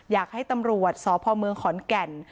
อยากให้ตำรวจสพเมืองขอนแก่น